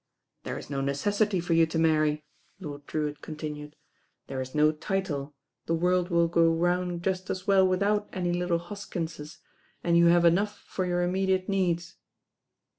"There is no necessity for you to marry," Lord Drewitt continued. "There is no title, the world will go round just as well without any little Hos kinses, and you have enough for your immediate needs.'